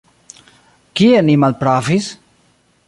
Kie ni malpravis?